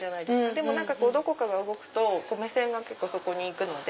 でもどこかが動くと目線がそこに行くので。